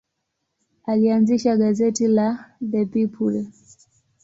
Alianzisha gazeti la The People.